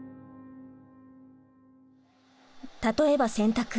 例えば洗濯。